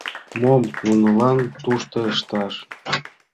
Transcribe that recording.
Мом нунылан тушто ышташ?